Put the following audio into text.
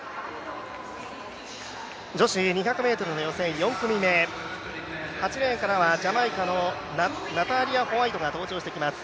女子２００ｍの予選４組目、８レーンからはジャマイカのナターリア・ホワイトが登場してきます。